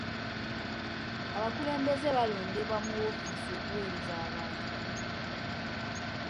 Abakulembeze balondebwa mu woofiisi okuweereza bantu.